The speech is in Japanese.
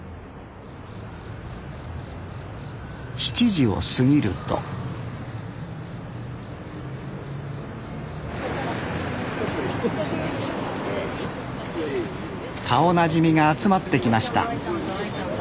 ７時を過ぎると顔なじみが集まってきました